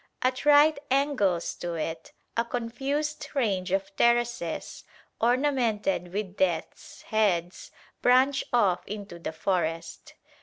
At right angles to it, a confused range of terraces, ornamented with death's heads, branch off into the forest.